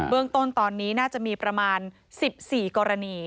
เรื่องต้นตอนนี้น่าจะมีประมาณ๑๔กรณี